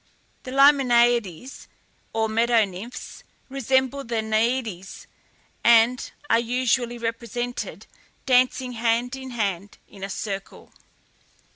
The LIMONIADES, or meadow nymphs, resemble the Naiades, and are usually represented dancing hand in hand in a circle.